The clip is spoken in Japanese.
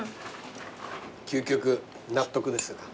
究極納得ですな。